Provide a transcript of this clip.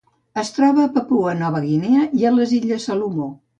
Es troba a Papua Nova Guinea i a les Illes Salomó.